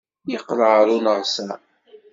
Yeqqel ɣer uneɣsar.